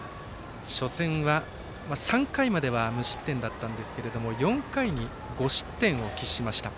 初戦は３回までは無失点だったんですが４回に５失点を喫しました。